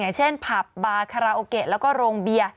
เช่นผับบาคาราโอเกะแล้วก็โรงเบียร์